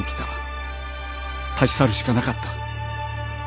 立ち去るしかなかった。